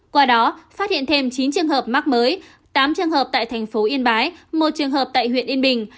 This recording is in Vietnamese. qua đó phát hiện thêm chín trường hợp mắc mới tám trường hợp tại thành phố yên bái một trường hợp tại huyện yên bình